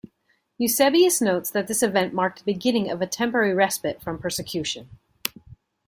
Eusebius notes that this event marked the beginning of a temporary respite from persecution.